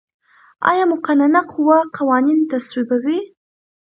آیا مقننه قوه قوانین تصویبوي؟